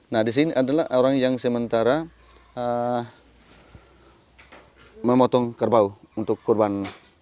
nah di sini adalah orang yang sementara memotong kerbau untuk kurban